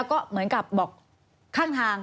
ก็เหมือนกับบอกข้างทาง